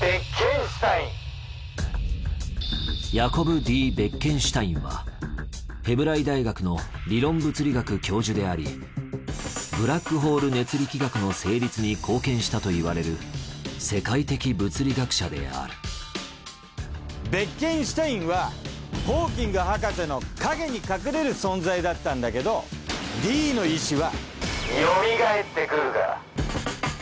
ヤコブ・Ｄ・ベッケンシュタインはヘブライ大学の理論物理学教授でありブラックホール熱力学の成立に貢献したといわれる世界的物理学者であるベッケンシュタインはホーキング博士の影に隠れる存在だったんだけどＤの意志はよみがえってくるから。